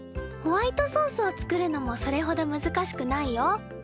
ホワイトソースを作るのもそれほど難しくないよ。